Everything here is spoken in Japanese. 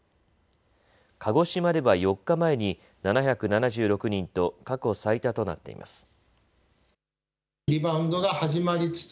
鹿児島では４日前に７７６人と過去最多となっています。